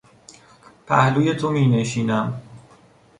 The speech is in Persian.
پهلوی تو مینشینم.